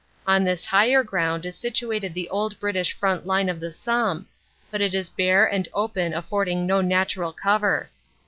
On this higher ground is situated the old British front line of the Somme, but it is bare and open affording no natural cover.